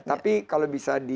tapi kalau bisa di